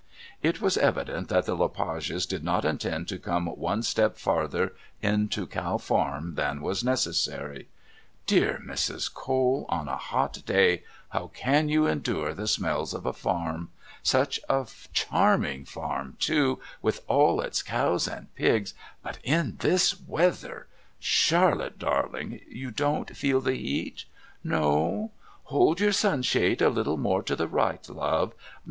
It was evident that the Le Pages did not intend to come one step farther into Cow Farm than was necessary. "Dear Mrs. Cole, on a hot day how can you endure the smells of a farm... such a charming farm, too, with all its cows and pigs, but in this weather... Charlotte darling, you don't feel the heat? No? Hold your sun shade a little more to the right, love.